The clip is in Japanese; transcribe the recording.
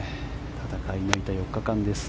戦い抜いた４日間です。